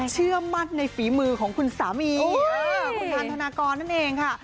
เชื่อมั่นในฝีมือของคุณสามีคุณอันธนากรนั่นเองค่ะ